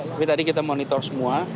tapi tadi kita monitor semua